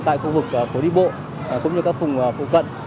tại khu vực phố đi bộ cũng như các vùng phụ cận